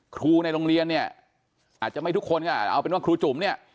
ครูในโรงเรียนเนี่ยอาจจะไม่ทุกคนก็เอาเป็นว่าครูจุ๋มเนี่ย